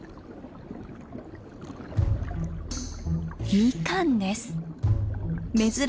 ミカンです。